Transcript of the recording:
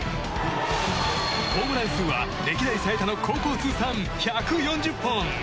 ホームラン数は歴代最多の高校通算１４０本。